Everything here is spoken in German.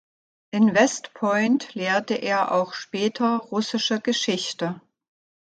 In West Point lehrte er auch später russische Geschichte.